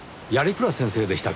鞍先生でしたか。